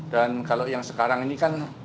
dan kalau yang sekarang ini kan